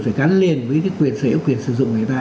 phải gắn liền với quyền sử dụng người ta